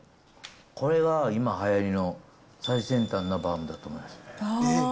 これが今、はやりの、最先端のバウムだと思います。